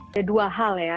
ada dua hal ya